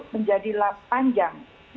menjadi lap panjang